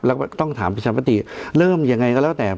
แล้วก็ต้องถามประชามติเริ่มยังไงก็แล้วแต่